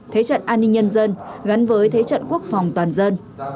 thế trận an ninh nhân dân gắn với thế trận quốc phòng toàn dân